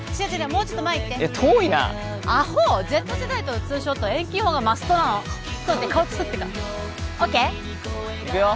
もうちょっと前行ってえっ遠いなアホＺ世代とのツーショットは遠近法がマストなのちょっと待って顔つくってからＯＫいくよ